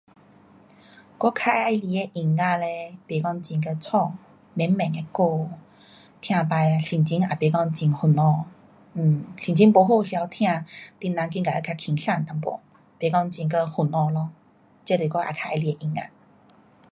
我较喜欢的音乐嘞不讲很呀吵。慢慢的歌，听起心情也不讲很烦恼。um 心情不好时头听，你人觉得会较轻松一点，不讲很会烦恼咯。这是我较喜欢的音乐。